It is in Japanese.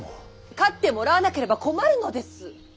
勝ってもらわなければ困るのです！